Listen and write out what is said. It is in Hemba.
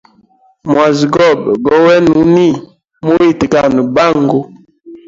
Mwazi gobe gowena uni, muyitgane bangu.